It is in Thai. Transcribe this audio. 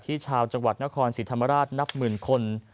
ชาวจังหวัดนครศรีธรรมราชนับหมื่นคน